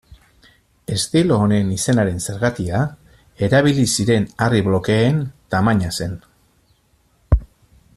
Estilo honen izenaren zergatia, erabili ziren harri blokeen tamaina zen.